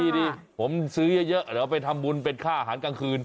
ดีผมซื้อเยอะเดี๋ยวไปทำบุญเป็นค่าอาหารกลางคืน